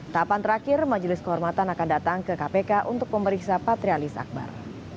tahapan terakhir majelis kehormatan akan datang ke kpk untuk memeriksa patrialis akbar